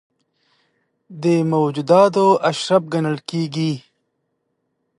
د موجوداتو اشرف ګڼل کېږي.